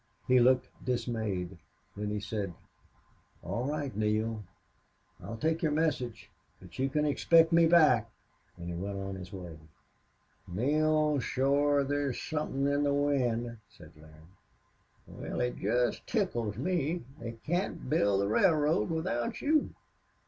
He looked dismayed. Then he said: "All right, Neale. I'll take your message. But you can expect me back." And he went on his way. "Neale, shore there's somethin' in the wind," said Larry. "Wal, it jest tickles me. They can't build the railroad without you."